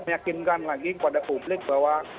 meyakinkan lagi kepada publik bahwa